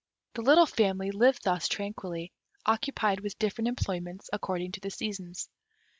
The little family lived thus tranquilly, occupied with different employments, according to the seasons.